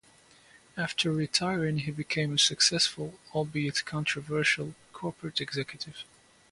After retiring he became a successful, albeit controversial, corporate executive.